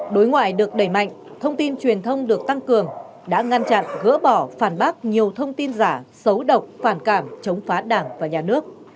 đối ngoại được đẩy mạnh thông tin truyền thông được tăng cường đã ngăn chặn gỡ bỏ phản bác nhiều thông tin giả xấu độc phản cảm chống phá đảng và nhà nước